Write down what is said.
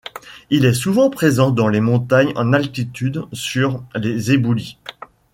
Il est souvent présent dans les montagnes en altitude sur les éboulis.